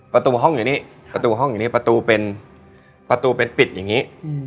ประตูห้องอย่างนี้ประตูห้องอย่างนี้ประตูเป็นปิดอย่างนี้